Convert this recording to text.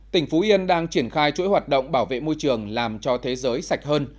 tỉnh phú yên đang triển khai chuỗi hoạt động bảo vệ môi trường làm cho thế giới sạch hơn